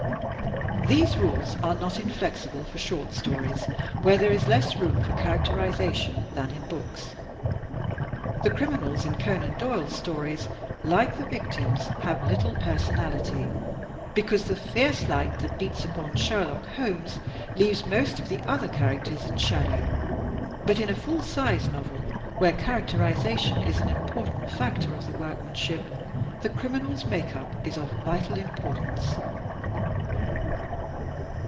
These rules are not inflexible for short stories, where there is less room for characterization than in books. The criminals in Conan Doyle^s stories, like the victims, have little per sonality, because the fierce light that beats upon Sherlock Holmes leaves most of the other characters in shadow. But in a full sized novel, where characterization is an important PERSONS IN THE STORY 24 1 factor of the workmanship, the criminars make up is of vital importance.